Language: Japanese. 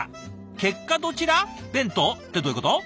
「結果どちら？弁当」ってどういうこと？